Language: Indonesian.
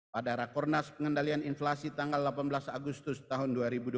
pada rakornas pengendalian inflasi tanggal delapan belas agustus tahun dua ribu dua puluh